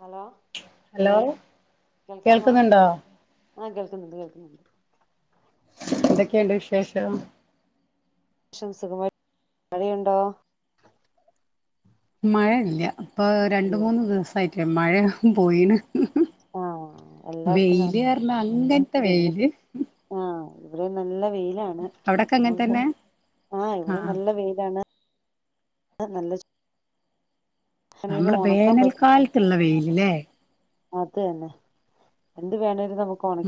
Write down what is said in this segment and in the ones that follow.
Hello hello കേൾക്കാമോ കേൾക്കുന്നുണ്ടോ ആ കേൾക്കുന്നുണ്ട് കേൾക്കുന്നുണ്ട് എന്തൊക്കെയുണ്ട് വിശേഷം ഷം സുഖമായി മഴയുണ്ടോ മഴ ഇല്ല ഇപ്പ രണ്ടു ഇല്ല മൂന്ന് ദിവസായി ക്കെ മഴ പോയിന് ആ എല്ലായിടത്തും വെയില് കണക്ക് കാരണം അങ്ങനത്തെ വെയില് ഇവിടെയും നല്ല വെയിലാണ് അവിടൊക്കെ അങ്ങനെ [unintelligible] തന്നെ ആ ഇവിടെ ആഹ് നല്ല വെയിലാണ് ആ നല്ല ചൂ നമ്മള പറ്റും വേനൽക്കാലത്തുള്ള വെയില് ല്ലേ അത് തന്നെ എന്ത് വേണേ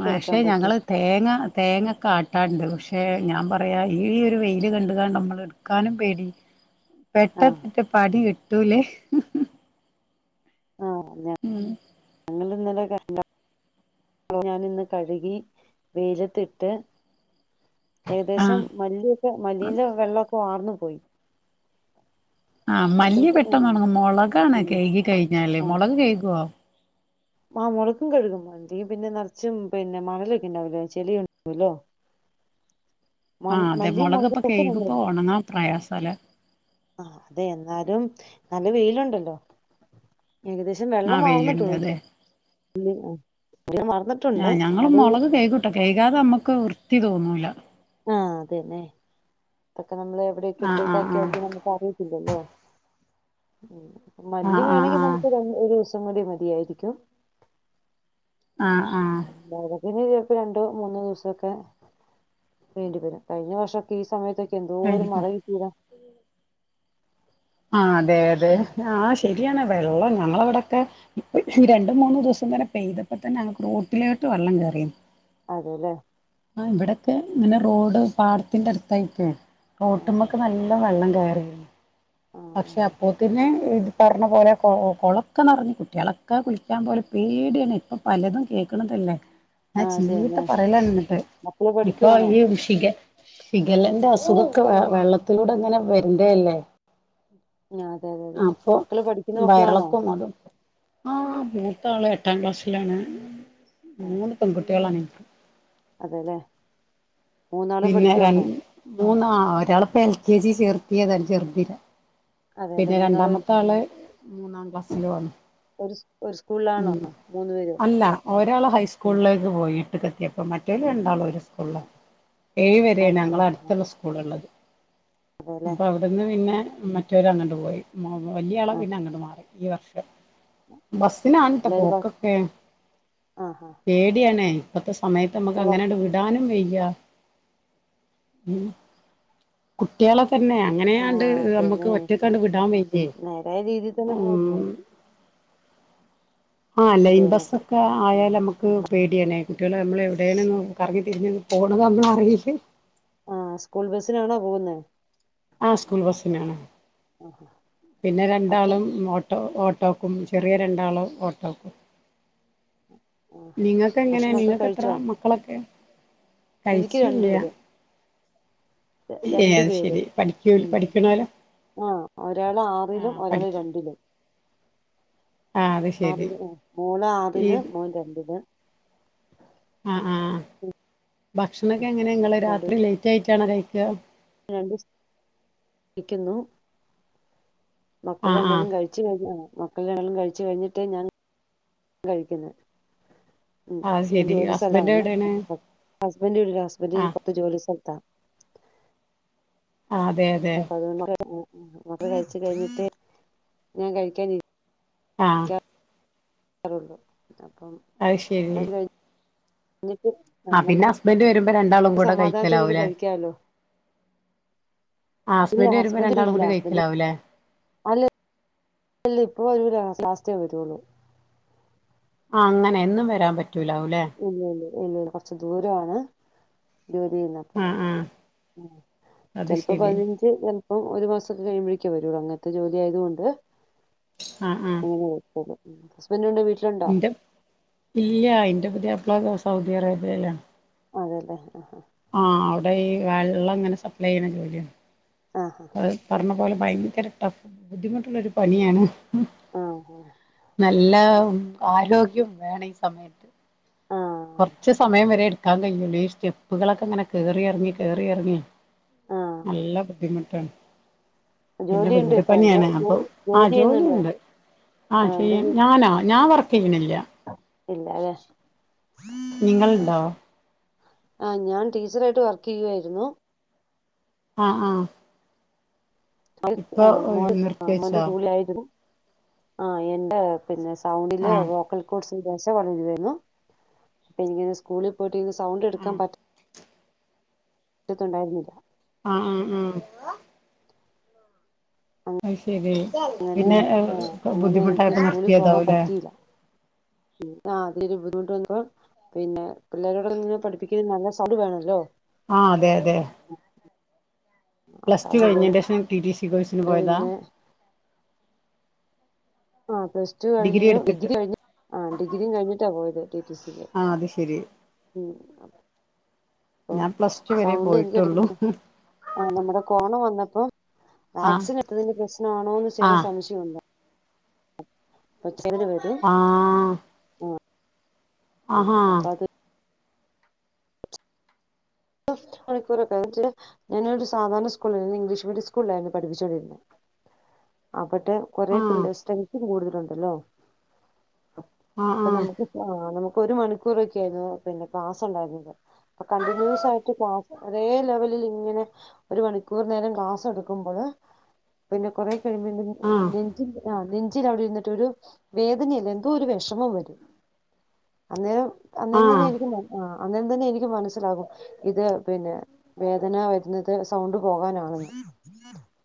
പക്ഷെ ഞങ്ങള് തേങ്ങ തേങ്ങക്കെ ആട്ടാണ്ട് പക്ഷേ ഞാൻ പറയാ ഈ ഒരു വെയില് കണ്ടുക നമ്മള് എടുക്കാനും പേടി ആ പെട്ടത്തിട്ട പടി കെട്ട് ട്ടൂല്ലേ [unintelligible] ആ ഞ ഞങ്ങളിന്നല്ലേ [unintelligible] ഞാൻ ഇന്ന് കഴുകി വെയിലത്തിട്ട് ആഹ് ഏകദേശം മല്ലിയൊക്കെ മല്ലീന്റെ വെള്ളക്കെ വാർന്നു പോയി. ആഹ് മല്ലി അത്രയ്ക്ക് ആ പെട്ടന്ന് ഒണങ്ങും. ആ മൊളകാണ് കഴികി കഴിഞ്ഞാല് മൊളക് കഴികുവോ? ആഹ് മൊളകും കഴുകും. അല്ലെങ്കി പിന്നെ നെറച്ചും പിന്നെ മണലൊക്കെ ഉണ്ടാവലോ ചെളിയൊക്കെ ഉണ്ടാവല്ലോ. ആ അതെ മല്ലിയും മൊളകിപ്പോ മുളകും ഒക്കെ ഞങ്ങൾ ഇടും. കഴികുമ്പോ ഒണങ്ങാൻ പ്രയാസം തല ആ അതെ, എന്നാലും നല്ല വെയിലുണ്ടല്ലോ. ഏകദേശം വെള്ളം ആഹ് വെയിലുണ്ട് വാർന്നിട്ടുള്ളൂ. അതെ ഇനി എ ആഹ് ഞങ്ങള് മൊളക് കഴുകൂട്ടോ. കഴുകാത് നമ്മുക്ക് വൃ ത്തി തോന്നൂല. ആഹ് അത് തന്നെ. നമ്മള് എവിടെയൊക്കെ ആഹ് ഇട്ടിട്ട് ആഹ് ആക്കിയതെന്ന് നമുക്ക് അറിയില്ലോ. [unintelligible] മല്ലി ആഹ് ആഹ് ആഹ് വേണമെങ്കി നമുക്ക് രണ്ട് ഒരിസം [unintelligible] മതിയായിരിക്കും. ആഹ് ആഹ് ഇനി ചെലപ്പോ രണ്ടോ മൂന്നോ ദിവസോക്കെ വേണ്ടിവരും. കഴിഞ്ഞവർഷൊക്കെ ഈ സമയത്ത് എന്തോരം മഴ ആഹ് കിട്ടിയതാ. ആഹ് [unintelligible] ഉം. ഉം. [unintelligible] തൊക്കെ ഇപ്പൊ ഈ രണ്ടു മൂന്നു ദിവസം തന്നെ പെയ്തപ്പോ തന്നെ ങ്ങക്ക് റോട്ടിലോട്ട് വള്ളം കേറീത്. അതെലേ. ആ ഇവടൊക്കെ ങ്ങനെ റോഡ് പാടത്തിന്റെ അടുത്തായിറ്റെ ആ റോട്ടുമ്മക്ക് നല്ല വെള്ളം കയ ട്ടേ ആ ആ പക്ഷെ ആ. അപ്പോത്തിന്നെ, ഇത് പറഞ്ഞ പോലെ കൊ കൊളൊക്കെ നെറഞ്ഞു കുട്ട്യാളൊക്കെ കുളിക്കാൻ പോവല പേട്യണ് പ്പം പലതും കേക്ക്ണതല്ലേ. ആ, ഞാൻ ചീത്ത അതെന്നെ പറയലാണ് ന്ന്ട്ട്. മക്കള് പഠിക്കുവാണോ? [unintelligible] ഷിഗല്ലെന്റെ അസുഖൊക്കെ വെ വെള്ളത്തിലൂടെ ങ്ങനെ വര്ണ്ടേ അല്ലേ ഞാ അതെ യതെ അതെ മക്കള് പഠിക്കുന്ന മക്കളാണോ ആഹ് മൂത്ത ആള് എട്ടാം ക്ലാസ്സിലാണ് മൂന്ന് പെൺകുട്ട്യാളാണ് [inaudible] അതെലെ മൂന്നാളും പഠിക്കുവാണോ മൂന്നാ ഒരാളിപ്പ എൽ കെ ജി ചേർത്തിത ചെർതിനെ. അതെല്ലെ പിന്നെ മൂന്നാളും ഒരു രണ്ടാമത്തെ ആള് മൂന്നാംക്‌ളാസിലുആണ് ഒരുസ് ഒരു സ്കൂൾലാണോ മൂന്നു പേരും ഒരാൾ ഹൈസ്കൂളിലേക്ക് പോയി എ ട്ട്ക്ക്ക്കെത്തിയപ്പോ മറ്റോൽ രണ്ടാളും ഒരു സ് ക്കൂള്ള ഏഴ് വരെണ് അതെല്ലെ ഞങ്ങളെ അട്ത്ത്ള്ള സ്കൂളുള്ളത്. അതെല്ലെ അപ്പൊ അവിടന്ന് പിന്നെ. മ്മ [unintelligible] [unintelligible] അങ്ങട്ട് പോയി വല്ല്യ ആള് ആ പിന്നെ അങ്ങട്ട് മാറി ഈ വർഷം ബസിനാണ് ട്ടോ പിള്ളേര് ഭക്ഷ പോക്കൊക്കെ ആ ആ പേടിയാണേ ഇപ്പത്തെ സമയത്ത് നമ്മക്ക് മക്കള് ഭക്ഷ അങ്ങനട് വിടാനും- വയ്യ ഉം കുട്ടികള് - പിന്നെ ആ അങ്ങനെയാണ്ട് അതന്നെ അമ്മക്ക് വിടാൻ വയ്യേ നേരായ രീതിയിൽ തന്നെ പോയി ഉംമ് ആ ലൈൻ അതെ ബസ്സ അതെ ഒക്കെ ആയാൽ നമുക്ക് പേടിയാണേ കുട്ടികള് നമ്മള് എവിടേലും ഒന്ന് കറങ്ങി തിരിഞ്ഞ് അങ്ങ് പോണത് ഒന്നും അറിയില്ല ആ സ്കൂൾ ബസിനാണോ പോകുന്നേ ആ സ്കൂൾ ബസിനാണ് പിന്നെ ഭക്ഷ രണ്ടാളും ഓട്ടോ ഓട്ടോ- ഓട്ടോക്കും [unintelligible] ചെറിയ രണ്ടാളും ഓട്ടോക്കു ആ നിങ്ങക്ക് എങ്ങനെയ ഭക്ഷണൊക്കെ നിങ്ങക്ക് കഴിച്ചോ എത്രയാ മക്കളൊക്കെ എനിക്ക് രണ്ടു കഴിചില്യ പേര് രണ്ടു പേര് പഠിക്കൂ ഉം ഉം പഠിക്കണോലോ ആഹ് ഒരാള് ആറിലും ആഹ് ഒരാള് പഠിക്കും രണ്ടിലും ആഹ് അത് ശരി ആറില് ഉം മോള് ഈ ആറില് മോൻ രണ്ടില് ആഹ് ആഹ് ഭക്ഷണൊക്കെ എങ്ങനെ ഇങ്ങള് രാത്രി ലേറ്റായിട്ട് ച്ചാണാ കഴിക്കുക രണ്ടുസ് ക്കുന്നു മക്കള് ആഹ് ആഹ് രണ്ടെണ്ണോം കഴിച്ചു കഴിഞ്ഞതാ മക്കള് എല്ലാരും കഴിച്ചു കഴിഞ്ഞിട്ടെ ഞാൻ- കഴിക്കുന്നേ ഉം അത് ഹസ്ബൻഡ് ശരി ജോലി ഹസ്ബൻഡ് സ്ഥലമാണ് എവിടെയാണ് ഹസ്ബൻഡ ഹസ്ബന്ഡ ആഹ് ഇപ്പറത് ജോലി സ്ഥല- ആഹ് ആഹ് അതെ അതെ അപ്പൊ അതൊന്ന [unintelligible] അൊക്ക [unintelligible] കഴച്ച് കഴിഞ്ഞിട്ട് ഞാൻ കഴിക്കാന ആ അത്രേയുള്ളു അപ്പം അത് ശരി കഴിഞ്ഞ- എക്ക് ആ നമുക്ക് ഇപ്പ രണ്ടാളും കൂടെ സമാധാനത്തോടെ കഴിക്കലാവൂലേ കഴിക്കാലോ ആ ഇല്ല ഹസ്ബൻഡ് വരുമ്പോ രണ്ടാളും കൂടി കഴിക്കലാവൂല്ലേ അല്ലെ അല്ല ഇപ്പൊ ഒരു രഹസാസ്ഥ്യേ വരുള്ളു ആ അങ്ങനെ എന്നും വരാൻ പറ്റും റ്റലാവല്ലേ ഇല്ല [unintelligible] ഇല്ല ഇല്ല കൊറച്ച് ദൂരാണ് ജോലി ചെയ്യുന്നപ്പം ആഹ് ആഹ് അത് ചിലപ്പോ ശരി പതിനഞ്ച് അപ്പം ഒരു മാസക്കെ കഴുമ്പഴേക്ക് വരൊള്ളൂ അങ്ങനത്തെ ജോലി ആയതു കൊണ്ട് ആഹ് ആഹ് അങ്ങനെ [unintelligible] ഹസ്ബൻഡുണ്ട് വീട്ടിലുണ്ടോ ഇന്റെ ഇല്ലാ ഇന്റെ പുത്യാപ്പ്ള സൗദി അറേബ്യയിലാ. അതേല്ലേ. ആഹ് അവ്ടെ ഈ വെള്ളം അങ്ങനെ സ പ്ലൈ ചെയ്ണ ജോലിയാ. ആഹ് അത് പറഞ്ഞ പോലെ ഭയങ്കര ടഫ് ബുദ്ധിമുട്ടുള്ളൊരു പണിയാണ്. ആഹ് നല്ല ആരോ ഗ്യം വേണ ഈ സമയത്ത്. ആഹ് കുറച്ചു സമയം വരെ എടുക്കാൻ കഴിയൂല്ലേ ഈ സ്റ്റെപ്പുകളൊക്കെ ഇങ്ങനെ കേറി ഇറങ്ങി കേറിയിറങ്ങി ആഹ് നല്ല ബുദ്ധിമുട്ടാണ് പിന്നെ ജോലിയുണ്ട് വീട് ഇപ്പൊ ജോ പണിയാണ് അപ്പൊ ജോലി ആ ജോലി ചെയ്യുന്നുണ്ടോ ജോലിയുണ്ട് ആഹ് ചെയ്യും ഞാനോ ഞാൻ വർക്ക് ചെയ്യണില്ല ഇല്ലാല്ലേ നിങ്ങളുണ്ടോ ആ ഞാൻ ടീച്ചറായിട്ട് വർക്ക് ചെയ്യുവാരുന്നു ആഹ് ആഹ് ആ ഇപ്പൊ മോന്റെ ആ നിർത്തി മോന്റെ വെച്ചോ സ്കൂളി ആയിരുന്നു ആ എന്റെ പിന്നെ സൗണ്ടില് ആഹ് വോക്കൽ കോഡ്സ് ദശ വളരുന്നു പിന്നെ സ്കൂളിൽ പോയി ട്ട് സൗണ്ട് എടുക്കാൻ ആഹ് പറ്റു പറ്റുന്നുണ്ടായിരുന്നില്ല ആഹ് ആഹ് ഉം മ് ശരി അങ്ങനെ പിന്നെ ആ അങ്ങനെ എനിക്ക് ബുദ്ധിമുട്ടായിട്ട് സ്കൂളിൽ നിർത്തിയതാവൂല്ലേ ആ അതൊരു ബുദ്ധിമുട്ട് വന്നപ്പോ പിന്നെ പിള്ളേരോടൊന്ന് പഠിപ്പിക്കുന്നതിന് നല്ല സൗണ്ട് വേണമല്ലോ ആഹ് അതെ അതെ അപ്പൊ പ്ലസ് ടു കഴിഞ്ഞേന്റെ അതുകൊണ്ട് ശേഷം ടി ടി സി കോഴ്സിന് പോയതാ പിന്നെ ആഹ് പ്ലസ് ടു കഴിഞ്ഞു ഡിഗ്രി കഴിഞ്ഞ് ആ ഡിഗ്രിയും കഴിഞ്ഞിട്ടാ പോയത് ടി ടി ടി ക്ക് ആഹ് അത് ശരി ഉം അപ്പം ഞാൻ പ്ലസ് ടു വരെ സൗണ്ട് എനിക്ക് പോയിട്ടുള്ളൂ എടുക്കുമ്പഴും ആ നമ്മടെ കോണ വന്ന് അപ്പോ ആഹ് വാക്സിൻ എടുത്തതിന്റെ പ്രശ്നമാണോന്ന് ചെറിയ ആഹ് സംശയമുണ്ട് വീട് ആഹ് ആഹാ മണിക്കൂറൊക്കന്നിട്ട് ഞാനൊരു സാധാരണ സ്കൂളിന്ന് ഇംഗ്ലീഷ് മീഡിയം സ്കൂലിലായിരുന്നു പഠിപ്പിച്ചത് പഠിപ്പിച്ചോണ്ടിരുന്നത് ട്ട് കുറെ ആഹ് പിള്ളേർ സ്‌ട്രെങ്ങതും കൂടുതലാ ഉണ്ടല്ലോ ആഹ് അപ്പൊ ആഹ് നമുക്ക് ആഹ് നമുക്ക് ഒരു മണിക്കൂറൊക്കെയായിരുന്നു പിന്നെ ക്ലാസ് ഉണ്ടായിരുന്നത് അപ്പോ കണ്ടിന്യൂസ് ആയിട്ട് ക്ലാസ്സ് ഒരേ ലെവലിൽ ഇങ്ങനെ ഒരു മണിക്കൂർ നേരം ക്ലാസ് എടുക്കുമ്പോഴ് പിന്നെ കുറെ ആഹ് നെഞ്ചിൻ ആ നെഞ് നെഞ്ചിന്റവിടെ യിരുന്നിട്ടൊരു വേദന അല്ല എന്തോ ഒരു വിഷമം വരും അന്നേരം അന്നേരം ആഹ് തന്നെയായിരിക്കും ആ അന്നേരം തന്നെ എനിക്ക് മനസ്സിലാകും ഇത് പിന്നെ വേദന വരുന്നത് സൗണ്ട് പോകാനാണെന്ന്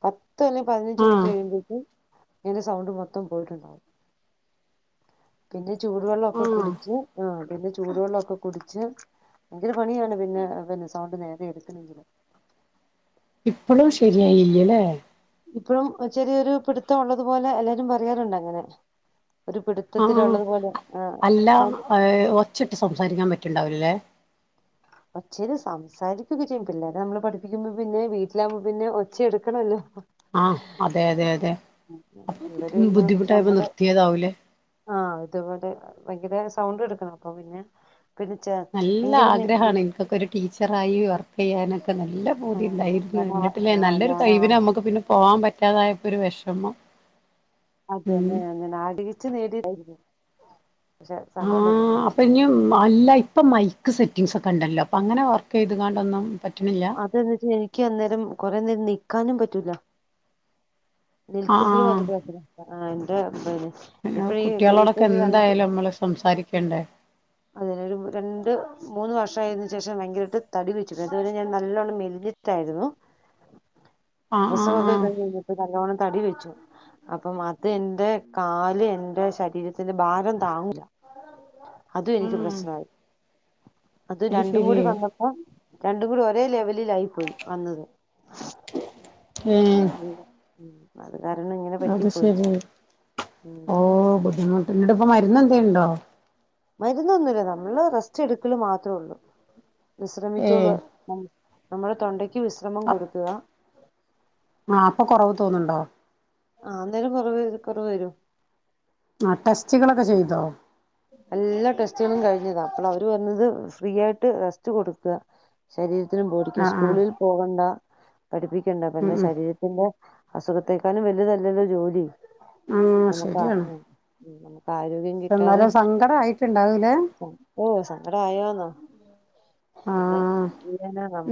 പത്ത ത്ത് അല്ലെ പതിനഞ്ച് മിനിറ്റ് ആഹ് കഴിയുമ്പഴേക്കും എന്റെ സൗണ്ട് മൊത്തം പോയിട്ടുണ്ടാവും പിന്നെ ചൂടുവെള്ളവൊക്കെ ആഹ് കുടിച്ച് ആഹ് പിന്നെ ചൂടുവെള്ളവൊക്കെ കുടിച്ച് ഭയങ്കര പണിയാണ് പിന്നെ പിന്നെ സൗണ്ട് നേരെയെടുക്കണെങ്കില് ഇപ്പളും ശരിയായില്ല്യല്ലെ ഇപ്പഴും ചെറിയൊരു പിടുത്ത ഒള്ളതുപോലെ എല്ലാരും പറയാറുണ്ട് അങ്ങനെ ഒരു ആ പിടുത്തത്തിലുള്ളത് പോലെ ആഹ് അല്ല സൗണ്ട് ഒച്ചിട്ട് സംസാരിക്കാൻ പറ്റുണ്ടാവുലല്ലേ ഒച്ചയില് സംസാരിക്കുക്കെ ചെയ്യും പിള്ളാരെ നമ്മള് പഠിപ്പിക്കുമ്പോ പിന്നെ വീട്ടിലാവുമ്പോ പിന്നെ ഒച്ച എടുക്കാണല്ലോ ആഹ് അതെ അതെ അതെ അപ്പൊ ഇവരെ ഒന്ന് ബുദ്ധിമുട്ടായപ്പോ നമ്മള് നിർത്തിയതാവൂലേ ആഹ് ഇതേപോലെ ഭയങ്കര സൗണ്ട് എടുക്കണം അപ്പ പിന്നെ പിന്നെ ചെ നല്ല ഭയങ്കര ആഗ്രഹാണ് എനിക്കൊക്കെ ഒരു ടീച്ചറായി വർക്ക് ചെയ്യാനൊക്കെ നല്ല പൂതി ആഹ് ഒണ്ടായിരുന്നു ഞാൻ എന്നിട്ടില്ലേ ആഹ് നല്ലൊരു ഞാൻ കയിവിന നമ്മുക്ക് പിന്നെ പോകാൻ പറ്റ പറ്റാതായപ്പൊ ഒരു വെഷമം അതന്നെ അങ്ങനാഗ്രഹിച്ചു നേടിയതായിരുന്നു പക്ഷെ ആ സങ്കടമുണ്ടോ പിന്നെ അപ്പൊ ഇനി അല്ല ഇപ്പ മൈക്ക് സെറ്റിങ്സ് ഒക്കെ ക്കണ്ടല്ലോ അങ്ങനെ വർക്ക് ചെയ് അതന്ന്ച്ചാ എനിക്ക് അന്നേരം കൊറെ നേരം നീക്ക ക്കാനും പറ്റൂല ആഹ് നിൽക്കുമ്പോഴും ആഹ് അത് [unintelligible] [unintelligible] ഇപ്പ ഈ ഇപ്പൊ കുട്ടികളോടൊക്കെ ഒരു എന്തായാലും നമ്മള് സംസാരിക്കേണ്ടേ അതെ ഒരു രണ്ട് മൂന്ന് വർഷം ആയതിനന് ശേഷം ഭയങ്കരട്ട് തടിവെച്ചു അതുവരെ ഞാൻ നല്ലവണ്ണം മെലഞ്ഞിട്ടായിരുന്നു ആഹ് പ്രസവോക്കെ ആഹ് കഴിഞ്ഞ് കഴിഞ്ഞപ്പോ നല്ലോണം തടി വെ ച്ചു അപ്പം അത് എന്റെ കാല് എന്റെ ശരീരത്തിന്റെ ഭാരം താങ്ങുല അതും ആഹ് എനിക്ക് ആഹ് പ്രശ്നവായി അത് രണ്ടും കൂടി വന്നപ്പോ ര രണ്ടും ഒരേ ലെവലിലായി പോയി വന്നത് ഏഹ് അല്ല ഉം അത് കാരണം ഇങ്ങനെ പറ്റി അത് പോയി ശെരി ഉം ഓ ബുദ്ധിമുട്ട് ഇപ്പ മരുന്ന് എന്തേണ്ടോ മരു നന്ന് ഒന്നുല നമ്മള് റെസ്റ്റ് എടു മക്കൾ മാത്രേ ഉള്ളൂ ഏയ് വിശ്രമിച്ചോളൂ നാം നമ്മുടെ തൊണ്ടയ് ക്ക് വിശ്രമം കൊടുക്കുക ആ അപ്പൊ കൊറവ് തോന്നുന്നുണ്ടോ ആ അന്നേരം നല്ലരീതി കുറവ് വരും ന്താ എല്ലാ ടെസ്റ്റുകളും കഴിഞ്ഞതാ അപ്പോൾ അവർ പറഞ്ഞത് ഫ്രീ ആയിട്ട് റെസ്റ്റ് കൊടുക്കുക ശരീരാ ത്തിനും ആ ബോഡിക്കും ആ സ്കൂളിൽ പോകണ്ട പഠിപ്പിക്കണ്ട ഉം പിന്നെ ഉം ശരീരത്തിന്റെ അസുഖത്തെേക്കാളും വേലുതല്ലല്ലോ ജോലി ആ നമുക്കാ ആ ശരിയാണ് ഉ നമ്മു ആരോഗ്യം കിട്ടാതെ എന്നാലും സങ്കടം ആയിട്ടുണ്ടാവൂലേ സങ്കടമൊ സങ്കടമായോന്നോ ആ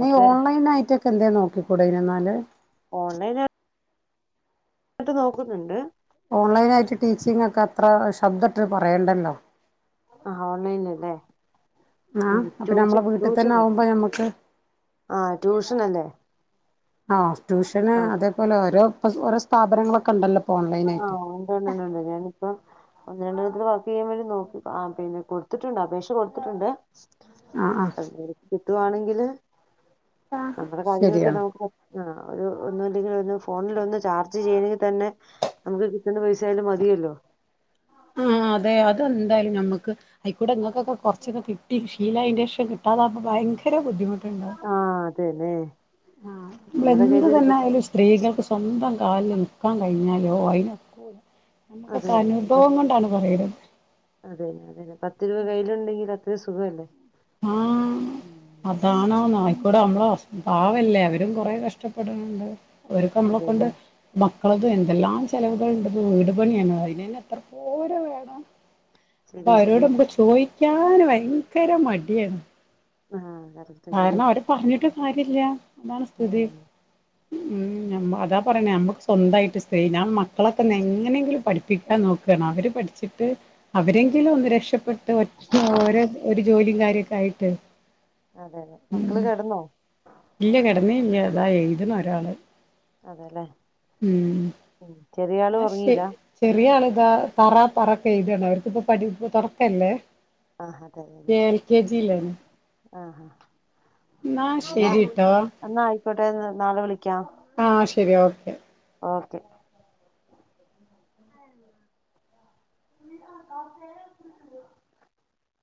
നീ ഓൺലൈൻ ആയിട്ടൊക്കെ എന്ത നോക്കിക്കൂടന എന്നാല് ഓൺലൈനായി എന്നിട്ട് നോക്കുന്നുണ്ട് ഓൺലൈനായിട്ട് ടീച്ചിങ് ഒക്കെ അത്ര ശബ്ദ ഇട്ട് പറയണ്ടല്ലോ ആ ഓൺലൈനിൽ അല്ലേ ആ ഉ അപ്പൊ നമ്മളെ ടൂഷൻ വീട്ടിൽ തന്നെ ടൂഷനോ ആവുമ്പോ ഞമ്മക്ക് ആ ട്യൂഷൻ അല്ലേ ആ ട്യൂഷന് ആ അതേപോലെ ഓരോ ഓരോ സ്ഥാപനങ്ങളൊക്കെ ഉണ്ടല്ലോ ഇപ്പൊ ഓൺലൈൻ ആയിട്ട് ആഹഉണ്ട്ണ്ടണ്ടണ്ട് ഞാനിപ്പം ഒരാൾ വർക്ക് ചെയ്യാൻ വേണ്ടി നോക്കി ആ പിന്നെ കൊടുത്തിട്ടുണ്ട് അപേക്ഷ കൊടുത്തിട്ടുണ്ട് ആ ആ [unintelligible] കിട്ടുവാണെങ്കിൽ ഏ നമ്മുടെ കാര്യങ്ങളൊക്കെ ശരിയാണ് നമുക്ക് ആ ഒരു ഒന്നുംല്ലെങ്കിൽ ഒരു ഫോണിൽ ഒന്ന് ചാർജ് ചെയ്യണെങ്കി തന്നെ നമുക്ക് കിട്ടുന്ന പൈസായാലും മതിയല്ലോ ആ അതെ അതെന്തായാലും ഞമ്മക്ക് അയിക്കൂടാ നിങ്ങകൊക്കെ കുറച്ചൊക്കെ കിട്ടി ലില ഇന്റെക്ഷൻ കിട്ടാതാകുമ്പ ഭയങ്കര ബുദ്ധിമു ഉണ്ടാവും ആതേല്ലേ ആ നമ്മള് എന്ത് തന്നെയാലും സ്ത്രീകൾക്ക് സ്വന്തം കാലില് നിൽക്കാൻ കഴിഞ്ഞാലോ അയിന് അതെ അതെ ഇപ്പ അതേന്ന അതേന്ന പത്ത് രൂപ കയ്യിലുണ്ടെങ്കിൽ [unintelligible] സുഖ അല്ലേ ആ അതണോ നായിക്കൂട നമ്മള ഉം പാവല്ലേ അവരും കൊറെ കഷ്ടപ്പെടുന്നുണ്ട് അവര്ക്ക് നമ്മളെ കൊണ്ട് അതന്നെ മ മക്കളും എന്തെല്ലാം ചെലവുകൾ ഉണ്ടെന്ന് വീട് പണിയാണ് അതിനന്നെ എത്ര പോര വേണം അപ്പൊ ശരി അവരോട് ശരിയാ നമുക്ക് ചോയ് ഞാന് ഭയങ്കര മ [unintelligible] ആ കാരണം അവര് പറഞ്ഞിട്ട് ആകില്ല [unintelligible] എന്താ ഉം സ്ഥിതി ഉം [unintelligible] അതാ പറയണ നമ്മക്ക് സ്വന്തമായിട്ട് സ്ത്രീ ഞാൻ മക്കള തന്നെ എങ്ങനെങ്കിലും പഠിപ്പിക്കാൻ നോക്കുകയാണ് അവര് പഠിച്ചിട്ട് അവരെങ്കിലും ഒന്ന് രക്ഷപ്പെ [unintelligible] ഓരോ [unintelligible] ജോലിയും കാര്യ [unintelligible] ക്കായിട്ട് അതെ അതെ ഉം മക്കള് കിടന്നോ ഇല്ല കിടന്നേ ഇല്ല അതാ [unintelligible] ഇഒരാള് അതേല്ലേ ഉം എന്നാ ശരി ഉറങ്ങിയില്ല [unintelligible] ചെറിയ ആള് തറാ പററക്കെ എഴുതയാണ് അവർക്കിപ്പ പടി തുറക്കല്ലേ ആഹ് അതല്ലെ എൽ ആഹ ആാ എന്ന ശരിട്ടോ എന്നാ ആയിക്കോട്ടെ നാളെ വിളിക്കാം ആഹ ശരി ഓക്കെ ഘഗ്ഗഫ്ഡ് [unintelligible] ർവഹിന്ന് ഡിഫ്‌യത്ബ് [unintelligible]